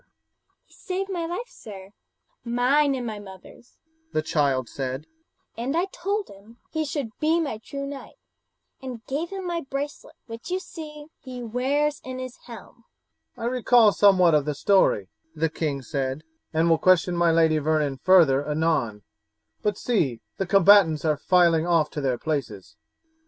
"He saved my life, sir, mine and my mother's," the child said, "and I told him he should be my true knight, and gave him my bracelet, which you see he wears in his helm." "I recall somewhat of the story," the king said, "and will question my Lady Vernon further anon; but see, the combatants are filing off to their places."